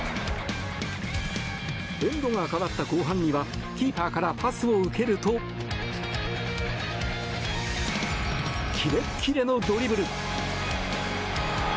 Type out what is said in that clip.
エンドが変わった後半にはキーパーからパスを受けるとキレッキレのドリブル。